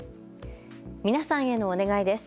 皆さんへのお願いです。